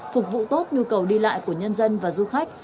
phục vụ tốt nhu cầu đi lại của nhân dân và du khách